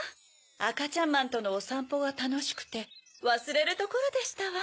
あかちゃんまんとのおさんぽがたのしくてわすれるところでしたわ。